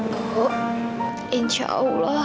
tuhan insya allah